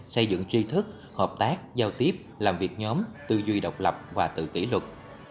xây dựng tri thức hợp tác giao tiếp làm việc nhóm tư duy độc lập và tự kỷ luật